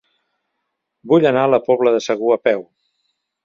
Vull anar a la Pobla de Segur a peu.